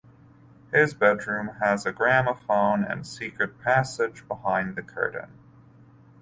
His bedroom has a gramophone and secret passage to behind the curtain.